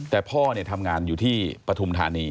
แต่อายุทุไม่ทำงานอยู่ที่ปธุมธานี